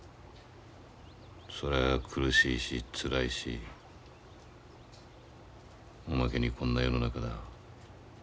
そりゃあ苦しいしつらいしおまけにこんな世の中だ。